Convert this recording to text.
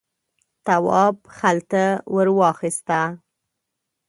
تواب خلته ور واخیسته.